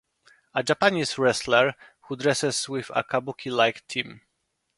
A Japanese wrestler who dresses with a kabuki-like theme.